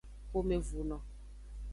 Xomevunu.